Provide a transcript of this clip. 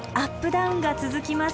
ダウンが続きます。